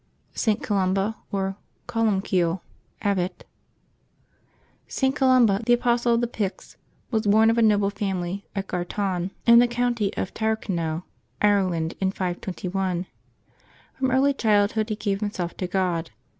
ST. COLUMBA, or COLUMKILLE, Abbot. [t. Columba, the apostle of the Picts, was born of a noble family, at Gartan, in the county of Tyrcon nel, Ireland, in 521. From early childhood he gave himself to God.